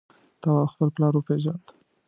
تواب خپل پلار وپېژند.